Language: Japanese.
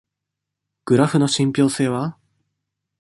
グラフの信憑性は？